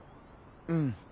うん。